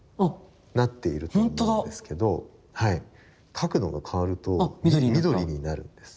角度が変わると緑になるんです。